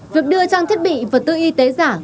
việc đưa trong thiết bị vật tư y tế giảng